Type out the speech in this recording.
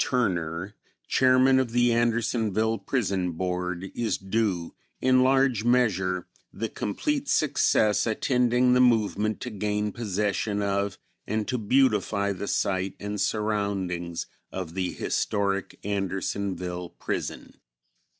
Turner, Chairman of the Andersonville Prison Board, is due in large measure the complete success attending the movement to gain possession of and to beautify the site and surroundings of the historic Andersonville prison.